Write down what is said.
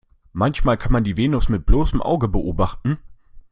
Manchmal kann man die Venus mit bloßem Auge beobachten.